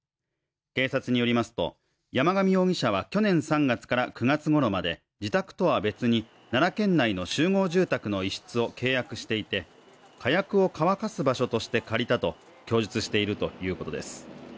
警察によりますと、山上容疑者は去年３月から９月ごろまで自宅とは別に奈良県内の集合住宅の一室を契約していて、火薬を乾かす場所として借りたと供述しているということです。